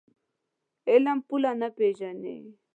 علم پوله نه پېژني.